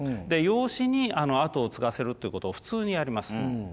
で養子に跡を継がせるということを普通にやります。